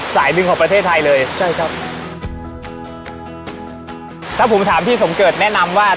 หนึ่งของประเทศไทยเลยใช่ครับถ้าผมถามพี่สมเกิดแนะนำว่า